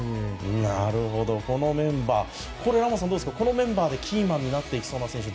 なるほど、このメンバーこのメンバーでキーマンになっていきそうな選手は？